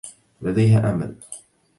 لديها أمل.